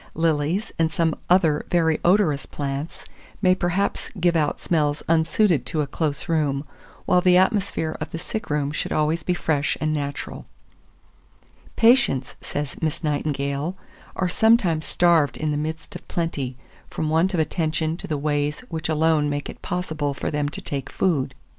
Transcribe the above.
Lilies, and some other very odorous plants, may perhaps give out smells unsuited to a close room, while the atmosphere of the sick room should always be fresh and natural. 2427. "Patients," says Miss Nightingale, "are sometimes starved in the midst of plenty, from want of attention to the ways which alone make it possible for them to take food.